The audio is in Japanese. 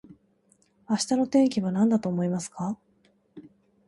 明日の天気はなんだと思いますか